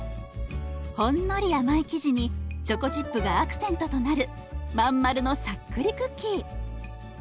ほんのり甘い生地にチョコチップがアクセントとなる真ん丸のさっくりクッキー。